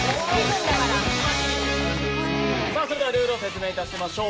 それではルールを説明いたしましょう。